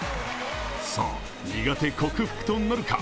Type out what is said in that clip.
さあ、苦手克服となるか？